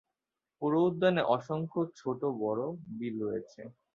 পুরো উদ্যানে অসংখ্য ছোট-বড় বিল রয়েছে।